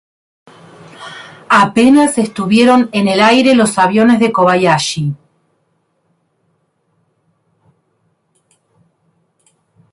Apenas estuvieron en el aire los aviones de Kobayashi.